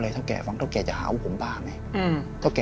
ทุกคนว่าจะค้าวุผมปุ้งให้มุมละ